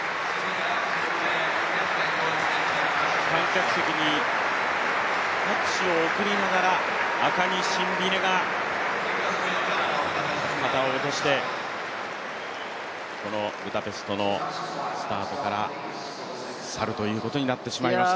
観客席に拍手を贈りながら、アカニ・シンビネが肩を落としてこのブダペストのスタートから去るということになってしまいました。